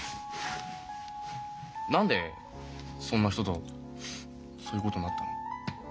何でそんな人とそういうことになったの？